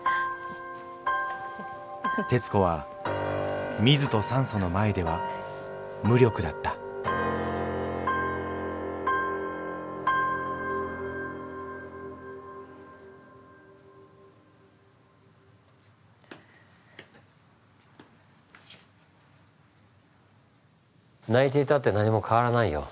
テツコはミズとサンソの前では無力だった泣いていたって何も変わらないよ。